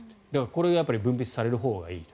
これが分泌されるほうがいい。